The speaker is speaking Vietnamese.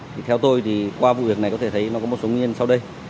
thì theo tôi thì qua vụ việc này có thể thấy nó có một số nguyên nhân sau đây